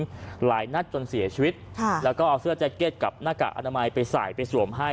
หลายนัดจนเสียชีวิตค่ะแล้วก็เอาเสื้อแจ็คเก็ตกับหน้ากากอนามัยไปใส่ไปสวมให้